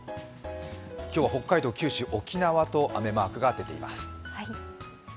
今日は北海道、九州、沖縄と雨マークが出ています。